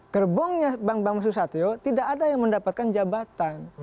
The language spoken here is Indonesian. gerbongnya bang bambang susatyo tidak ada yang mendapatkan jabatan